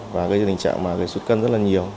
và có tình trạng mà suốt cân rất là nhiều